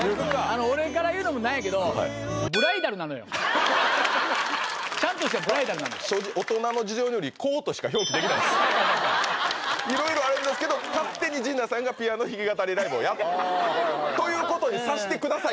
俺から言うのもなんやけどちゃんとしたブライダルなの正直大人の事情によりいろいろあるんですけど勝手に陣内さんがピアノ弾き語りライブをやったということにさせてください